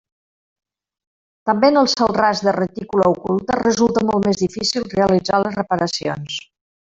També en el cel ras de retícula oculta resulta molt més difícil realitzar les reparacions.